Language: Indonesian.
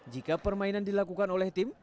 jika permainan dilakukan oleh tim